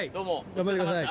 頑張ってください。